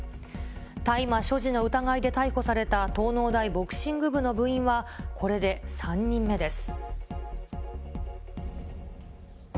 大麻所持の疑いで逮捕された東農大ボクシング部の部員は、これで３人目です。